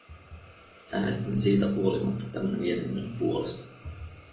Äänestän siitä huolimatta tämän mietinnön puolesta.